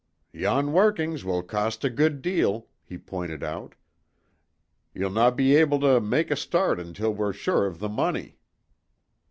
"Yon workings will cost a good deal," he pointed out. "Ye'll no be able to make a start until we're sure of the money."